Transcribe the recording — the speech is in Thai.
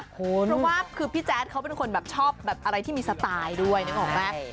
เพราะว่าคือพี่แจ๊ดเขาเป็นคนแบบชอบแบบอะไรที่มีสไตล์ด้วยนึกออกไหม